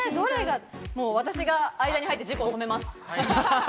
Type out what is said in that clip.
私が間に入って事故を止めます。